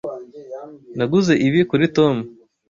Naguze ibi kuri Tom.